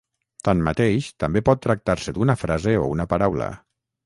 Tanmateix, també pot tractar-se d'una frase o una paraula.